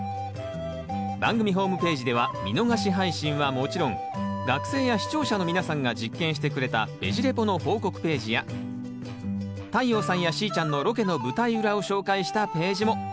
番組ホームページでは見逃し配信はもちろん学生や視聴者の皆さんが実験してくれたベジ・レポの報告ページや太陽さんやしーちゃんのロケの舞台裏を紹介したページも。